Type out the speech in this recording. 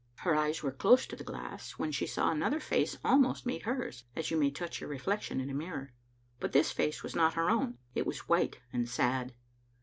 Her eyes were close to the glass, when she saw another face almost meet hers, as you may touch your reflection in a mirror. But this face was not her own. It was white and sad.